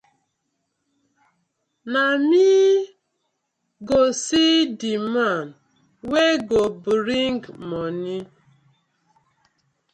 Na me go see di man wey go bring moni.